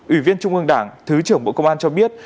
ủy viên trung ương đảng thứ trưởng bộ công an cho biết